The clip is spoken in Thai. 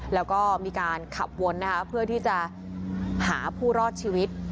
แล้วก็มีการขับวนนะคะเพื่อที่จะหาผู้รอดชีวิต